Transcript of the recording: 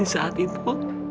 nanti saat itu